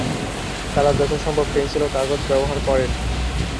তারা যথাসম্ভব পেন্সিল ও কাগজ ব্যবহার করেন।